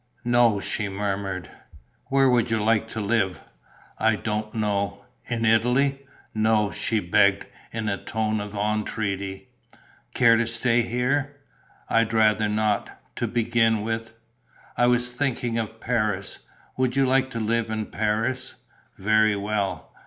"No," she murmured. "Where would you like to live?" "I don't know...." "In Italy?" "No," she begged, in a tone of entreaty. "Care to stay here?" "I'd rather not ... to begin with." "I was thinking of Paris. Would you like to live in Paris?" "Very well."